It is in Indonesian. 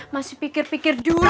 masih pikir pikir dulu